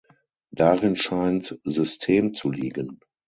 Darin scheint System zu liegen.